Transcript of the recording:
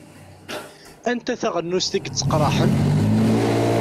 Anta taɣennust i yetteqṛaḥen?